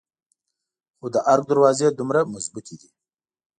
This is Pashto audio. خو د ارګ دروازې دومره مظبوتې دي.